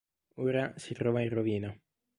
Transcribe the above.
Ora si trova in rovina.